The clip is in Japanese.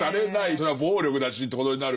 それは暴力だしってことになるから。